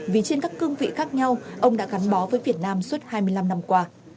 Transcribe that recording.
vì trên các cương vị khác nhau ông đã gắn bó với việt nam suốt hai mươi năm năm qua